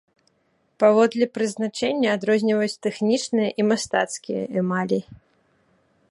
Паводле прызначэння адрозніваюць тэхнічныя і мастацкія эмалі.